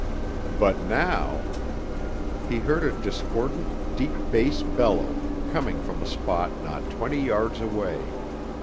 But now He heard a discordant, deep bass bellow, coming from a spot not twenty yards away.